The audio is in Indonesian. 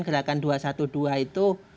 gerakan dua ratus dua belas itu